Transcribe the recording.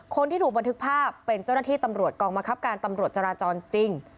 คนที่ถูกบันทึกภาพเป็นเจ้าหน้าที่ตำรวจกองบังคับการตำรวจจราจรจริง